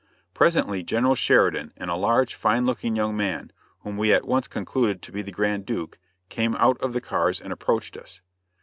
Presently General Sheridan and a large, fine looking young man, whom we at once concluded to be the Grand Duke came out of the cars and approached us.